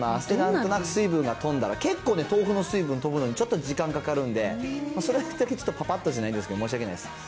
で、なんとなく水分が飛んだら、結構ね、豆腐の水分飛ぶのにちょっと時間がかかるんで、それだけ、ちょっとパパッとじゃないですけど、申し訳ないです。